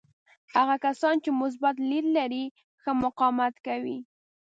هغه کسان چې مثبت لید لري ښه مقاومت کوي.